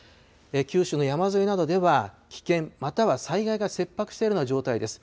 九州の山沿いなどでは危険、または災害が切迫しているような状態です。